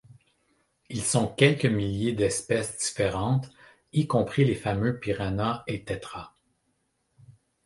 Ils sont quelques milliers d'espèces différentes y compris les fameux piranhas et Tétras.